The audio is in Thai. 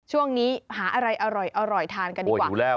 ช่วงนี้หาอะไรอร่อยทานกันดีกว่า